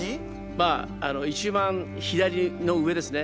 まあ一番左の上ですね